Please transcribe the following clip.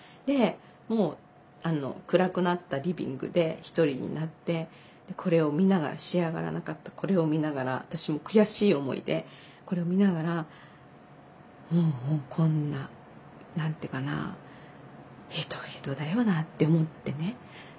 でもう暗くなったリビングで一人になってこれを見ながら仕上がらなかったこれを見ながら私も悔しい思いでこれを見ながらもうこんな何て言うかな「へとへとだよな」って思ってね。